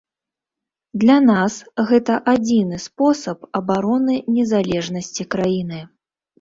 Для нас гэта адзіны спосаб абароны незалежнасці краіны.